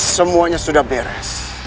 semuanya sudah beres